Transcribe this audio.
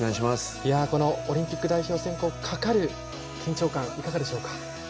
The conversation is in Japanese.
このオリンピック代表選考がかかる緊張感いかがでしょうか？